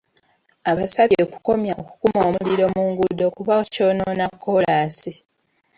Abasabye okukomya okukuma omuliro mu nguudo kuba kyonoona kkolaasi.